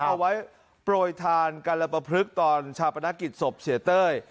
เอาไว้ปล่อยทานกัลปะพรึกตอนชาวประนักกิจศพเศรษฐ์เต้ย